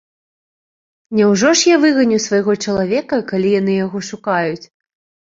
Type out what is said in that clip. Няўжо ж я выганю свайго чалавека, калі яны яго шукаюць?